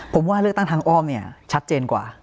ผมว่าเลือกตั้งทางอ้อมเนี่ยชัดเจนกว่า